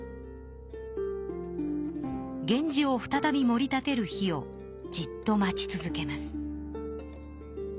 源氏を再びもり立てる日をじっと待ち続けます。